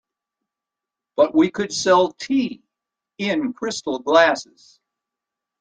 But we could sell tea in crystal glasses.